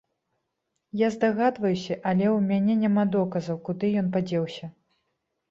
Я здагадваюся, але ў мяне няма доказаў, куды ён падзеўся.